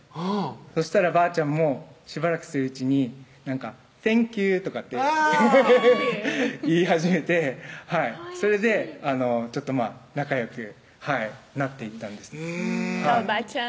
そしたらばあちゃんもしばらくするうちに「センキュー」とかって言い始めてそれでちょっと仲よくなっていったんですねばあちゃん